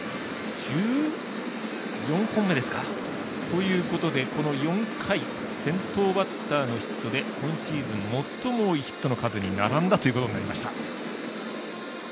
１４本目ということでこの４回先頭バッターのヒットで今シーズン最も多いヒットの数に並んだということになりました。